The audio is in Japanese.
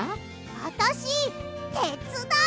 あたしてつだう！